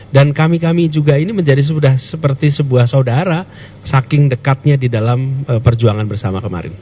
dan kami kami juga ini menjadi sudah seperti sebuah saudara saking dekatnya di dalam perjuangan bersama kemarin